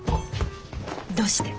どうして？